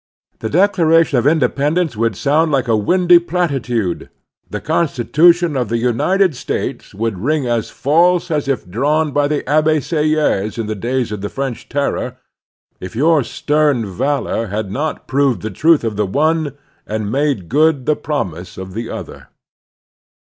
The Declaration of Independence would now sotmd like a windy plati tude, the Constitution of the United States would ring as false as if drawn by the Abb6 Sieyfes in the days of the French Terror, if your stem valor had not proved the truth of the one and made good the promise of the other.